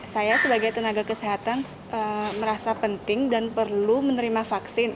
saya sebagai tenaga kesehatan merasa penting dan perlu menerima vaksin